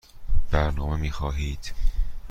برنامه می خواهید؟